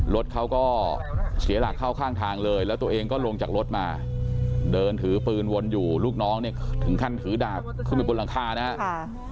รถเขาก็เสียหลักเข้าข้างทางเลยแล้วตัวเองก็ลงจากรถมาเดินถือปืนวนอยู่ลูกน้องเนี่ยถึงขั้นถือดาบขึ้นไปบนหลังคานะครับ